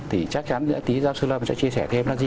thì chắc chắn tí giáo sư lâm sẽ chia sẻ thêm là gì